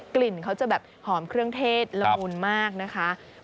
กลิ่นเขาจะแบบหอมเครื่องเทศละมุนมากนะคะ